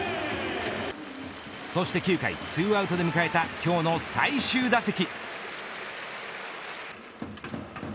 そして９回、２アウトで迎えた今日の最終打席。